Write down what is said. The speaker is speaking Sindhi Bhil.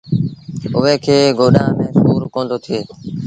اُئي کي ڪوڏآن ميݩ سُور ڪوندو ٿئي۔